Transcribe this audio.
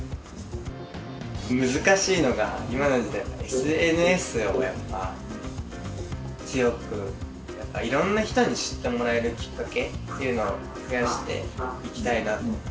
難しいのが今の時代ＳＮＳをやっぱ強くやっぱいろんな人に知ってもらえるきっかけっていうのを増やしていきたいなと。